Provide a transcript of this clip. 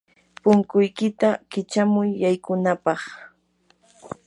punkuykiyta kichamuy yaykunapaq.